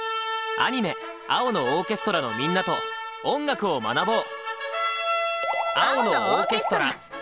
アニメ「青のオーケストラ」のみんなと音楽を学ぼう！